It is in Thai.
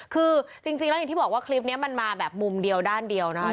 คือจริงแล้วอย่างที่บอกว่าคลิปนี้มันมาแบบมุมเดียวด้านเดียวนะคะ